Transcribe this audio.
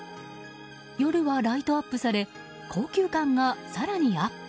夜はライトアップされ高級感が更にアップ。